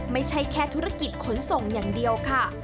ไม่ใช่แค่ธุรกิจขนส่งอย่างเดียวค่ะ